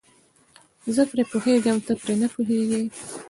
زه پرې پوهېږم ته پرې نه پوهیږې.